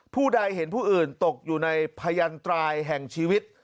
ผู้ใดเห็นผู้อื่นตกอยู่ในพยันตรายแห่งชีวิต